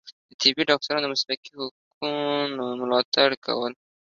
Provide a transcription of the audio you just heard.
د طبي ډاکټرانو د مسلکي حقونو ملاتړ کول